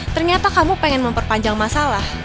ternyata kamu pengen memperpanjang masalah